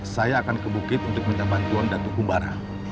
saya akan ke bukit untuk mencabar tuan datuk kumbara